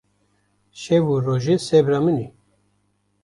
Şev û rojê sebra min î